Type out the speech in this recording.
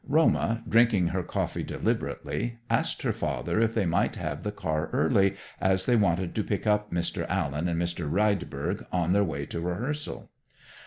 Roma, drinking her coffee deliberately, asked her father if they might have the car early, as they wanted to pick up Mr. Allen and Mr. Rydberg on their way to rehearsal.